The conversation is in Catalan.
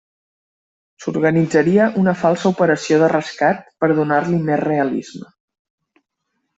S'organitzaria una falsa operació de rescat per donar-li més realisme.